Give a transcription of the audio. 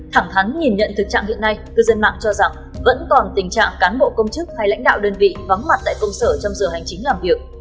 thẳng thắn nhìn nhận thực trạng hiện nay cư dân mạng cho rằng vẫn còn tình trạng cán bộ công chức hay lãnh đạo đơn vị vắng mặt tại công sở trong giờ hành chính làm việc